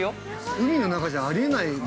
◆海の中じゃ、あり得ないもんね。